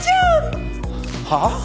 はあ？